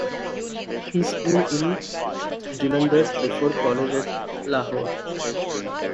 He schooled in Jullunder before college at Lahore.